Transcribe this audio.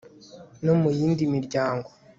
no mu yindi miryango